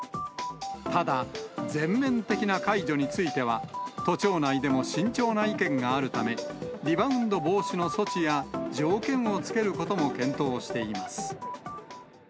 ただ、全面的な解除については、都庁内でも慎重な意見があるため、リバウンド防止の措置や条件を付けることも検討しています。